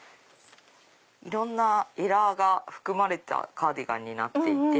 いろんなエラーが含まれたカーディガンになっていて。